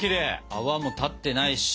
泡も立ってないし！